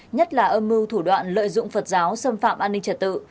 nhất là âm mưu thủ đoạn lợi dụng phật giáo xâm phạm an ninh trật tự